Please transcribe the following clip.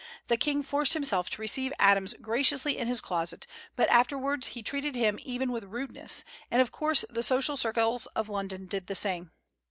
The King forced himself to receive Adams graciously in his closet, but afterwards he treated him even with rudeness; and of course the social circles of London did the same.